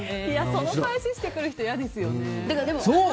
その返ししてくる人いやですよね。